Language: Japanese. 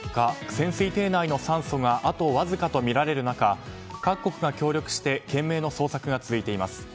潜水艇内の酸素があとわずかとみられる中各国が協力して懸命の捜索が続いています。